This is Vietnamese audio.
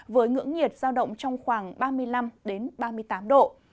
với ngưỡng nhiệt giao động trong khoảng ba mươi năm ba mươi tám độ